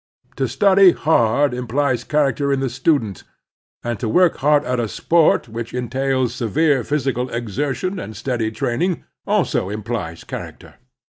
To study hard implies character in the student, and to work hard at a sport which entails severe phjrsical exertion and steady training also implies character.